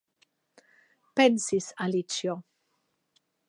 Pensis Alicio.